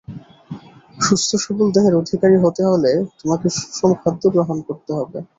সুস্থ-সবল দেহের অধিকারী হতে হলে তোমাকে সুষম খাদ্য গ্রহণ করতে হবে।